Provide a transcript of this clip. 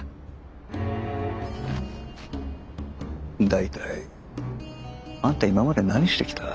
大体あんた今まで何してきた？